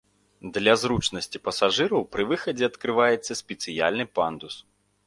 Для зручнасці пасажыраў пры выхадзе адкрываецца спецыяльны пандус.